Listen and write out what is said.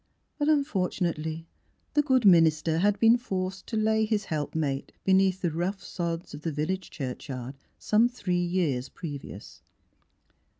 But unfortunately the good minis ter had been forced to lay his helpmate beneath the rough sods of the village churchyard some three years previous.